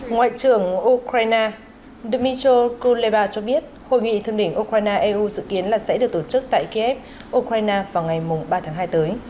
ngoại trưởng ukraine dmitro kuleba cho biết hội nghị thượng đỉnh ukraine eu dự kiến là sẽ được tổ chức tại kiev ukraine vào ngày ba tháng hai tới